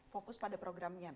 fokus pada programnya berarti ya